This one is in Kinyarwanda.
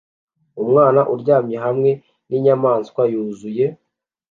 Umwana aryamye hamwe ninyamaswa yuzuye